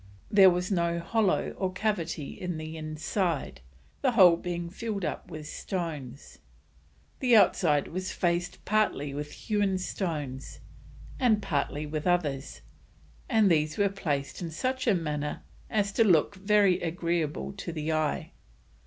There was no hollow or cavity in the inside, the whole being filled up with stones. The outside was faced partly with hewn stones, and partly with others, and these were placed in such a manner as to look very agreeable to the eye.